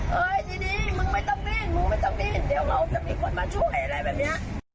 เฮ้ยดีมึงไม่ต้องกลิ้นมึงไม่ต้องกลิ้นเดี๋ยวเราจะมีคนมาช่วยอะไรแบบเนี้ย